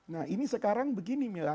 nah ini sekarang begini mila